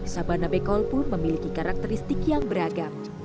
sabana bekol pun memiliki karakteristik yang beragam